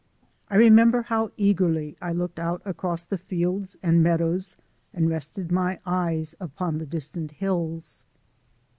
I remember how eagerly I looked out across the fields and meadows and rested my eyes upon the distant hills.